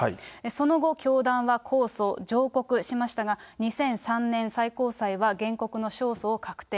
その後、教団は控訴、上告しましたが、２００３年、最高裁は原告の勝訴を確定。